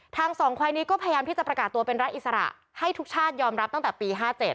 สองควายนี้ก็พยายามที่จะประกาศตัวเป็นรัฐอิสระให้ทุกชาติยอมรับตั้งแต่ปี๕๗